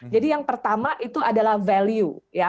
jadi yang pertama itu adalah value